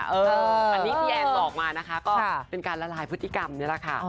อันนี้พี่แอนบอกมานะคะก็เป็นการละลายพฤติกรรมนี่แหละค่ะ